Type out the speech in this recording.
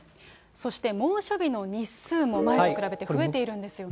そして猛暑日の日数も前と比べて増えてるんですよね。